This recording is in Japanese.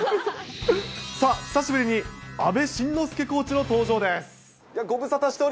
さあ、久しぶりに阿部慎之助コーチの登場です。